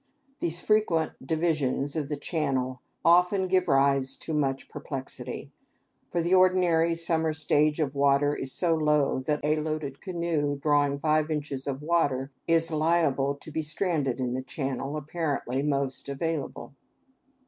These frequent divisions of the channel often give rise to much perplexity; for the ordinary summer stage of water is so low that a loaded canoe drawing five inches of water is liable to be stranded in the channel apparently most available.